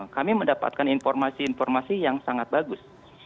kami mendapatkan informasi informasi yang sangat bagus